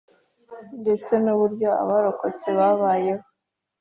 ndetse n’uburyo abarokotse babayeho